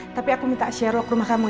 tapi aku minta sheryl ke rumah kamu ya